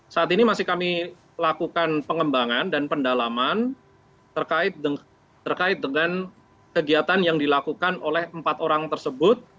saat ini masih kami lakukan pengembangan dan pendalaman terkait dengan kegiatan yang dilakukan oleh empat orang tersebut